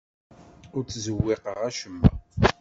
Ur ttzewwiqeɣ acemma.